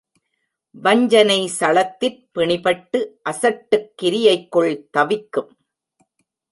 வஞ்சனை சளத்திற் பிணிபட்டு அசட்டுக் கிரியைக்குள் தவிக்கும்.